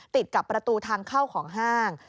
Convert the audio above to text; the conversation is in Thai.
ติดกับประตูทางเข้าของห้าง